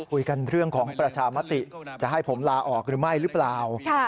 คุยกันเรื่องของประชามติจะให้ผมลาออกหรือไม่หรือเปล่า